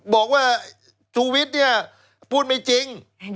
บอกว่าชูวิทย์เนี่ยพูดไม่จริง